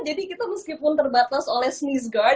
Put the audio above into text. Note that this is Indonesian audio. jadi kita meskipun terbatas oleh smith guard